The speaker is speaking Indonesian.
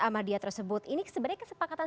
ahmadiyah tersebut ini sebenarnya kesepakatan